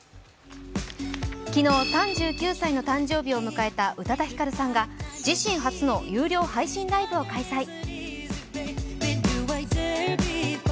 昨日、３９歳の誕生日を迎えた宇多田ヒカルさんが自身初の有料配信ライブを開催。